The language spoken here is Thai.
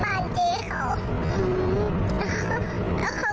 แล้วเขาก็ให้ขึ้นรถแล้วจริงหนูก็ไม่รู้